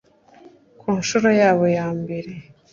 ku nshuro yabo ya mbere.